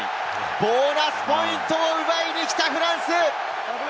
ボーナスポイントを奪いに来たフランス！